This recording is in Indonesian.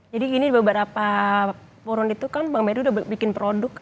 jadi ini beberapa purun itu kan bang merdi udah bikin produk